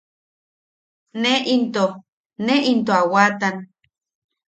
Ne into... ne into a waatan.